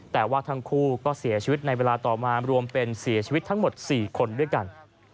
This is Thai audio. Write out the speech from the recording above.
แต่ว่าทั้งคู่ก็เสียชีวิตในเวลาต่อมารวมเป็นเสียชีวิตทั้งหมด๔คนด้วยกัน